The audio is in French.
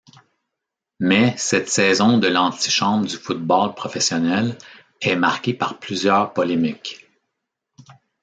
Mais, cette saison de l'antichambre du football professionnel est marquée par plusieurs polémiques.